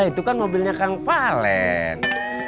itu kan mobilnya kang valen